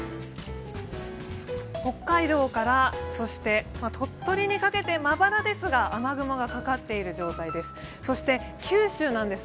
北海道から鳥取にかけてまばらですが雨雲がかかっている状態です。